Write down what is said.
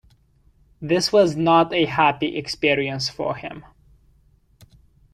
This was not a happy experience for him.